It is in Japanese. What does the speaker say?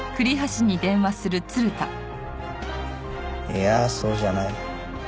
いやそうじゃない。